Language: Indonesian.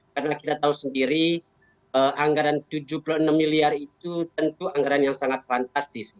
karena kita tahu sendiri anggaran rp tujuh puluh enam miliar itu tentu anggaran yang sangat fantastis